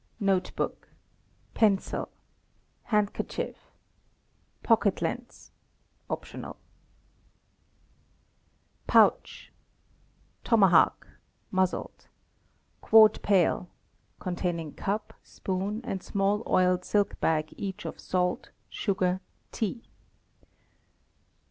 Note book. Pencil. Handkerchief. Pocket lens (?) 62 A CHECK LIST— PACKING UP 63 Pouch : Tomahawk (muzzled). Quart pail (containing cup, spoon, and small oiled silk bag each of salt, sugar, tea).